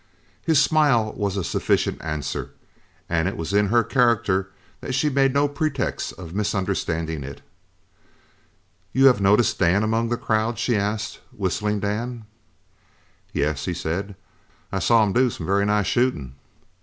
His smile was a sufficient answer, and it was in her character that she made no pretext of misunderstanding it. "You have noticed Dan among the crowd?" she asked, "Whistling Dan?" "Yes," he said, "I saw him do some very nice shooting."